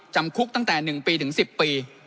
จำคุกตั้งแต่๓๑๐ปี